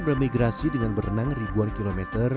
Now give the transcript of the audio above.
penyuh terbiasa bermigrasi dengan berenang ribuan kilometer